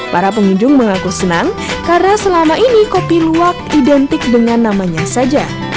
para pengunjung mengaku senang karena selama ini kopi luwak identik dengan namanya saja